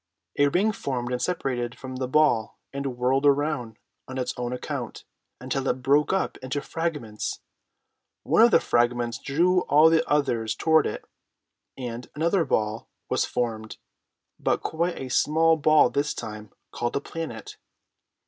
A ring formed and separated from the ball and whirled around on its own account, until it broke up into fragments. One of the fragments drew all the others toward it, and another ball was formed, but quite a small ball this time, called a planet.